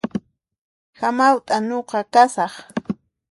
Hamawt'a nuqa kasaq